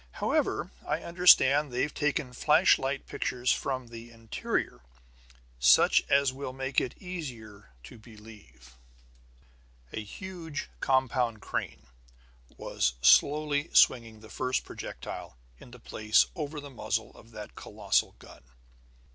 However, I understand they've taken flash light pictures from the interior, such as will make it easier to believe." A huge compound crane was slowly swinging the first projectile into place over the muzzle of that colossal gun.